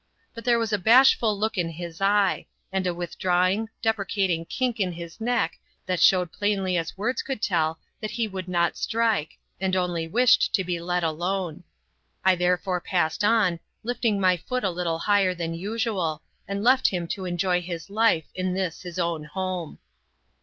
But there was a bashful look in his eye, and a withdrawing, deprecating kink in his neck that showed plainly as words could tell that he would not strike, and only wished to be let alone. I therefore passed on, lifting my foot a little higher than usual, and left him to enjoy his life in this his own home.